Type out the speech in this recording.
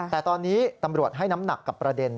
แต่ตอนนี้ตำรวจให้น้ำหนักกับประเด็น